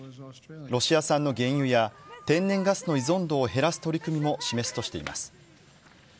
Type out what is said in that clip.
ロシア産の原油や天然ガスの依存度を減らす取り組みも示すとしています。